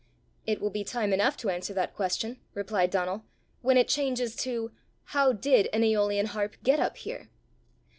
"It will be time enough to answer that question," replied Donal, "when it changes to, 'How did an aeolian harp get up here?